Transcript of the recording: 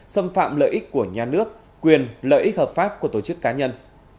xâm phạm lợi ích của nhà nước quyền lợi ích hợp pháp của tổ chức cá nhân